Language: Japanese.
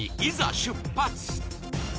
出発